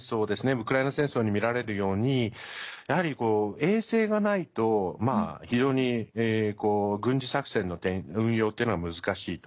ウクライナ戦争に見られるようにやはり衛星がないと非常に軍事作戦の運用は難しいと。